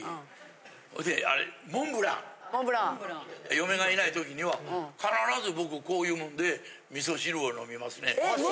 嫁がいない時には必ず僕こういうもんで味噌汁を飲みますね。